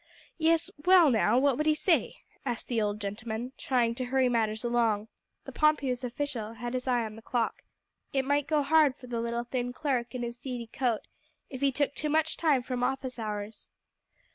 "Yes, well, now what would he say?" asked the old gentleman, trying to hurry matters along. The pompous official had his eye on the clock. It might go hard for the little, thin clerk in his seedy coat, if he took too much time from office hours.